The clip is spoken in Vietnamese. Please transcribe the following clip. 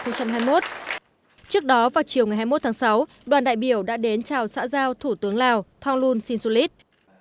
trước đó vào chiều ngày hai mươi một tháng sáu đoàn đại biểu đã đến chào xã giao thủ tướng lào thonglun sinsulit